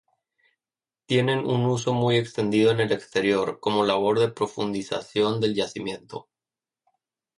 Tienen un uso muy extendido en el interior, como labor de profundización del yacimiento.